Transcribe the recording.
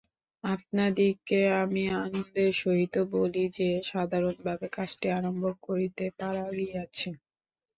আপনাদিগকে আমি আনন্দের সহিত বলি যে, সাধারণভাবে কাজটি আরম্ভ করিতে পারা গিয়াছে।